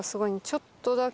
ちょっとだけ。